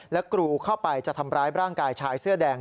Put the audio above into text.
และกรูเข้าไปจะทำร้ายร่างกายชายเสื้อแดง